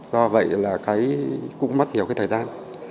do vậy là cái cũng mất nhiều cái thời gian